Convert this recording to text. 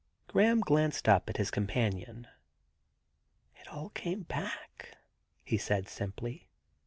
' Graham glanced up at his companion. ' It all came back/ he answered simply.